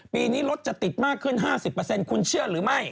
ปีนี้รถจะติดมากขึ้น๕๐คุณเชื่อหรือไม่